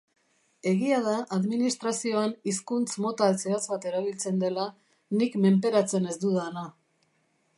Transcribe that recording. Egia da administrazioan hizkuntz mota zehatz bat erabiltzen dela, nik menperatzen ez dudana.